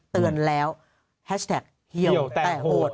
เตือนแล้วแฮชแท็กเหี่ยวแต่โหด